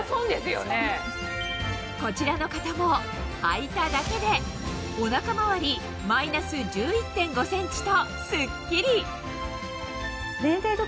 こちらの方もはいただけでお腹回り−１１．５ｃｍとスッキリ！